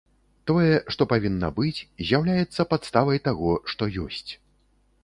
Тое, што павінна быць, з'яўляецца падставай таго, што ёсць.